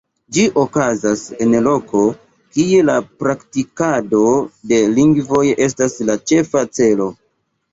Ĝi okazas en loko, kie la praktikado de lingvoj estas la ĉefa celo.